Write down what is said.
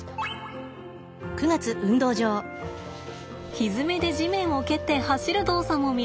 ひづめで地面を蹴って走る動作も見られています。